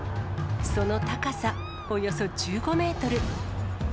その高さおよそ１５メートル。